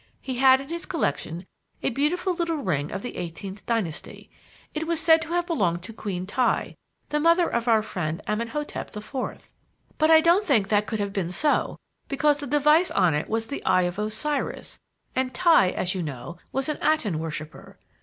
He had in his collection a beautiful little ring of the eighteenth dynasty. It was said to have belonged to Queen Ti, the mother of our friend Amenhotep the Fourth; but I don't think that could have been so, because the device on it was the Eye of Osiris, and Ti, as you know, was an Aten worshiper.